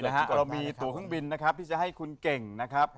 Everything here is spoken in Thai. เรามีตัวเครื่องบินนะครับที่จะให้คุณเก่งนะครับ